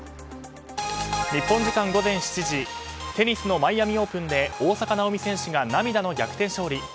日本時間午前７時テニスのマイアミオープンで大坂なおみ選手が涙の逆転勝利。